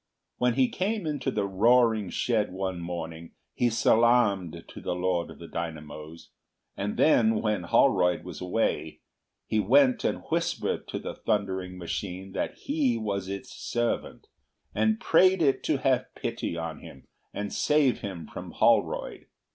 When he came into the roaring shed one morning he salaamed to the Lord of the Dynamos, and then when Holroyd was away, he went and whispered to the thundering machine that he was its servant, and prayed it to have pity on him and save him from Holroyd.